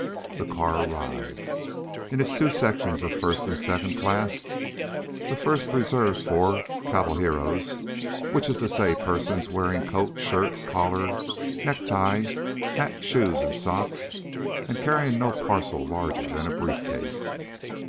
The car arrived, in its two sections of first and second class; the first reserved for cavalhieros, which is to say persons wearing coat, shirt, collar, necktie, hat, shoes and socks, and carrying no parcel larger than a brief case.